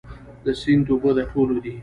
د سیند اوبه د ټولو دي؟